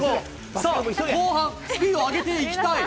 さあ、後半、スピード上げていきたい。